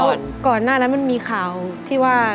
เพราะก่อนหน้านั้นมันมีข่าวที่ว่า